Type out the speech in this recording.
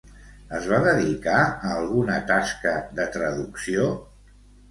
Es va dedicar a alguna tasca de traducció?